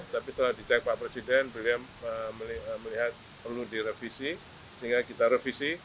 tapi setelah dicek pak presiden beliau melihat perlu direvisi sehingga kita revisi